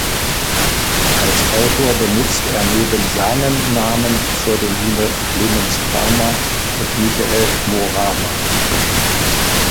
Als Autor benutzte er neben seinem Namen die Pseudonyme Clemens Parma und Michael Morawa.